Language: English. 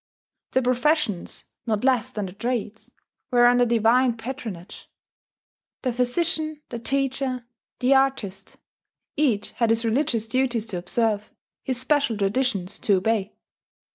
The professions, not less than the trades, were under divine patronage: the physician, the teacher, the artist each had his religious duties to observe, his special traditions to obey.